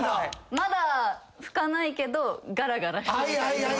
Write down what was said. まだ拭かないけどガラガラしてみたり。